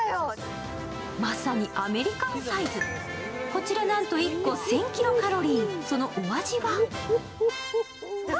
まさにアメリカンサイズこちらなんと１個１０００Ｋｃａｌ、お味は？